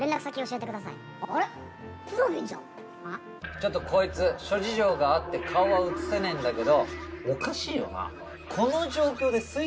ちょっとこいつ諸事情があって顔は写せねえんだけど。